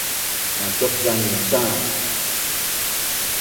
masauqzangin cak